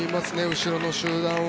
後ろの集団は。